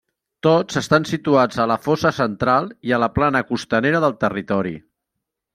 Tots estan situats a la fossa Central i a la plana costanera del territori.